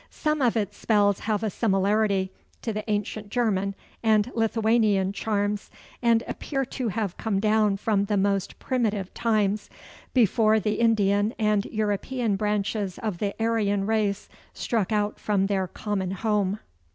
Some of its spells have a similarity to the ancient German and Lithuanian charms, and appear to have come down from the most primitive times, before the Indian and European branches of the Aryan race struck out from their common home.